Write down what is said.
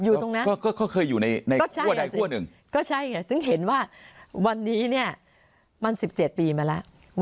ตรงนั้นก็เขาเคยอยู่ในคั่วใดคั่วหนึ่งก็ใช่ไงซึ่งเห็นว่าวันนี้เนี่ยมัน๑๗ปีมาแล้ว